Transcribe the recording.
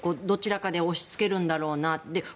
どちらかで押しつけるんだろうなって。